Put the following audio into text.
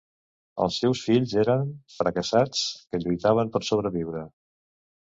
Els seus fills eren fracassats que lluitaven per sobreviure.